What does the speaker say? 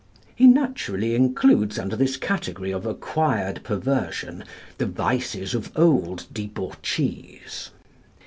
He naturally includes under this category of acquired perversion the vices of old debauchees.